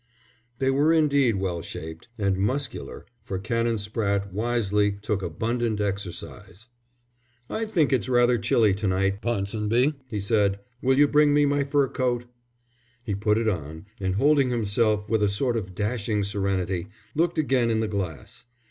They were indeed well shaped and muscular, for Canon Spratte, wisely, took abundant exercise. "I think it's rather chilly to night, Ponsonby," he said. "Will you bring me my fur coat." He put it on, and holding himself with a sort of dashing serenity, looked again in the glass.